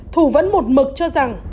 thủ vẫn một mực cho rằng